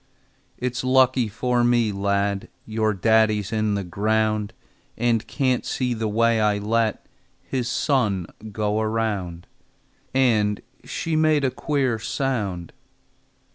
"It's lucky for me, lad, Your daddy's in the ground, And can't see the way I let His son go around!" And she made a queer sound.